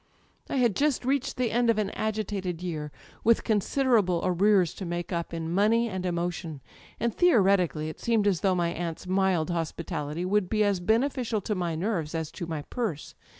''I had just reached the end of an agitated year, with considerable arrears to make up in money and emotion; and theoretically it seemed as though my aunt's mild hospitality would be as beneficial to my nerves as to my purse.